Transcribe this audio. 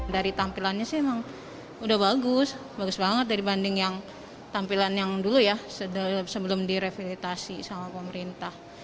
dari tampilannya sih memang sudah bagus bagus banget dibanding yang tampilan yang dulu ya sebelum direvitalisasi oleh pemerintah